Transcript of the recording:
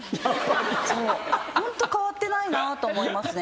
ホント変わってないなと思いますね。